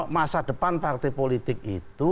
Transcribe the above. masa depan partai politik itu